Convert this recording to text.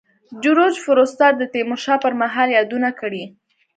جورج فورستر د تیمور شاه پر مهال یادونه کړې.